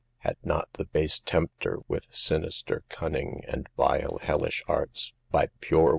Had not the base tempter, with sinister cunning, And vile, hellish arts, by pure